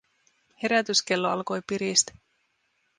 Herätyskello alkoi piristä.